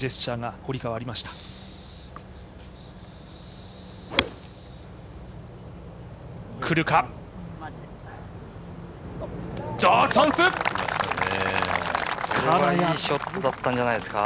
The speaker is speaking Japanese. これはいいショットだったんじゃないですか。